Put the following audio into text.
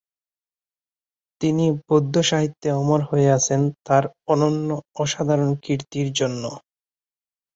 তিনি বৌদ্ধ সাহিত্যে অমর হয়ে আছেন তার অনন্য অসাধারণ কীর্তির জন্য।